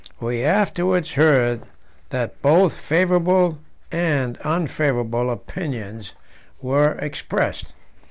We afterwards heard that both favourable and unfavourable opinions were expressed.